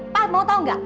pa mau tau gak